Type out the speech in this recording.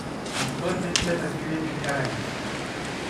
Actualmente reside en Caracas.